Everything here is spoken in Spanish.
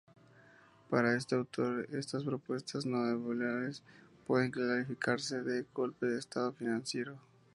Para este autor estas propuestas neoliberales pueden calificarse de golpe de Estado financiero.